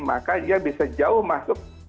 maka dia bisa jauh masuk